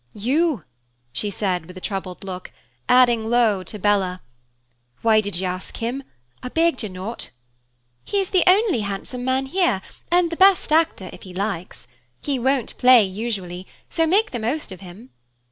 "You!" she said with a troubled look, adding low to Bella, "Why did you ask him? I begged you not." "He is the only handsome man here, and the best actor if he likes. He won't play usually, so make the most of him."